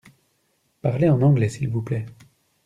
Parlez en anglais s’il vous plait.